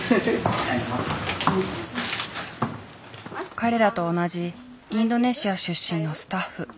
彼らと同じインドネシア出身のスタッフ。